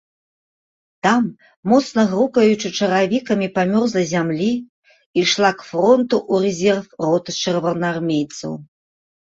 Там, моцна грукаючы чаравікамі па мёрзлай зямлі, ішла к фронту ў рэзерв рота чырвонаармейцаў.